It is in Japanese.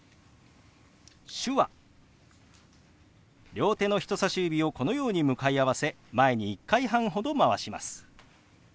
両手の人さし指をこのように向かい合わせ前に１回半ほどまわします。